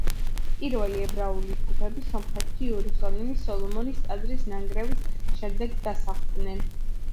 პირველი ებრაული ჯგუფები სომხეთში იერუსალიმის სოლომონის ტაძრის დანგრევის შემდეგ დასახლდნენ.